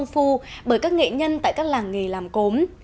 những hạt cốm được làm rất công phu bởi các nghệ nhân tại các làng nghề làm cốm